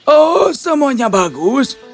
oh semuanya bagus